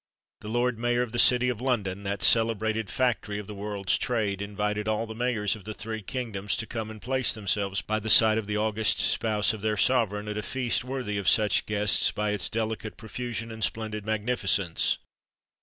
The Lord Mayor of the city of London that celebrated factory of the world's trade! invited all the mayors of the three kingdoms to come and place themselves by the side of the august spouse of their sovereign, at a feast worthy of such guests by its delicate profusion and splendid magnificence.